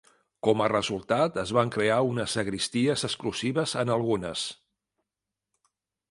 Com a resultat, es van crear unes sagristies exclusives en algunes.